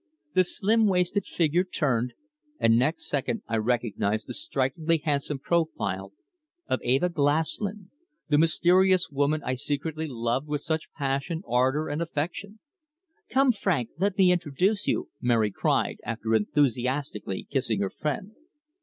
The slim waisted figure turned, and next second I recognised the strikingly handsome profile of Eva Glaslyn, the mysterious woman I secretly loved with such passionate ardour and affection. "Come, Frank, let me introduce you," Mary cried, after enthusiastically kissing her friend.